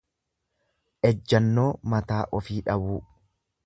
Ejjannoo mataa ofii dhabuu.